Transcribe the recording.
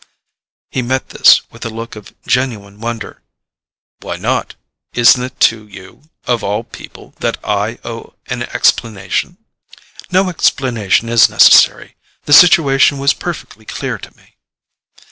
He met this with a look of genuine wonder. "Why not? Isn't it to you, of all people, that I owe an explanation——" "No explanation is necessary: the situation was perfectly clear to me."